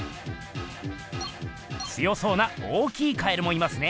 強そうな大きい蛙もいますね。